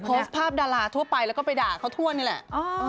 โพสต์ภาพดาราทั่วไปแล้วก็ไปด่าเขาทั่วนี่แหละ